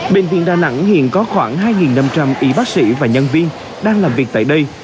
bệnh viện đà nẵng hiện có khoảng hai năm trăm linh y bác sĩ và nhân viên đang làm việc tại đây